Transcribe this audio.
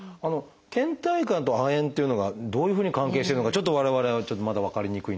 けん怠感と亜鉛っていうのがどういうふうに関係してるのかちょっと我々はまだ分かりにくいのですが。